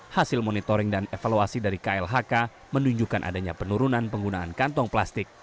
hasil monitoring dan evaluasi dari klhk menunjukkan adanya penurunan penggunaan kantong plastik